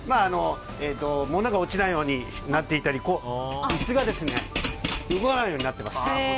物が落ちないようになっていたり椅子が動かないようになっています。